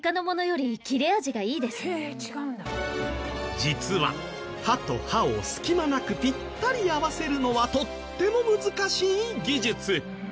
実は刃と刃を隙間なくピッタリ合わせるのはとっても難しい技術。